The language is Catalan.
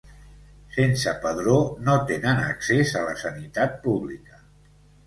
Sense padró no tenen accés a la sanitat pública.